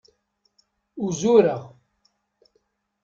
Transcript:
Uzureɣ.